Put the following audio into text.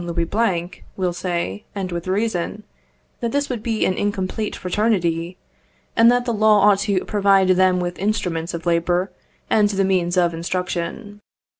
Louis Blanc, will say, and with reason, that this would be an incomplete fraternity, and that the law ought to provide them with instruments of labour and the means of instruction.